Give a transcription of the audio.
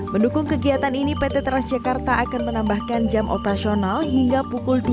mendukung kegiatan ini pt transjakarta akan menambahkan jam operasional hingga pukul dua puluh